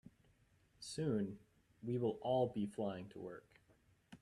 Soon, we will all be flying to work.